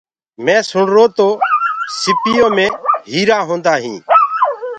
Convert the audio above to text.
مينٚ سُڻرو هونٚ تو سيٚپو مي موتي هوندآ هينٚ۔